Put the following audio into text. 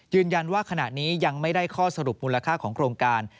ยืนยันว่าขณะนี้ยังไม่ได้ข้อสรุปมูลค่าของโครงการ